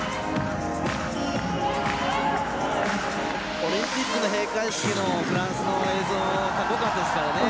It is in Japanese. オリンピックの開会式のフランスの映像かっこよかったですからね。